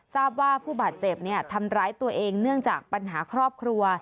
ทราบว่าผู้บาดเจ็บทำร้ายตัวเองเนื่องจากปัญหาครอบครัว